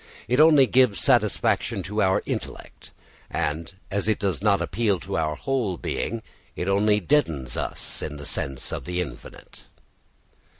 It only gives satisfaction to our intellect, and as it does not appeal to our whole being it only deadens in us the sense of the infinite.